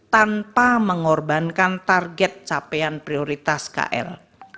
tanpa mengorbankan target capaian prioritas kl